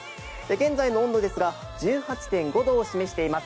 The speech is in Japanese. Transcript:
現在の温度ですが、１８．５度を示しています。